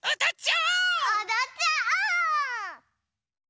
おどっちゃおう！